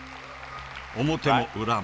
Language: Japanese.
表も裏も。